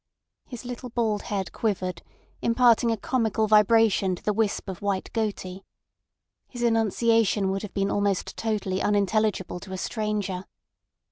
His little bald head quivered, imparting a comical vibration to the wisp of white goatee. His enunciation would have been almost totally unintelligible to a stranger.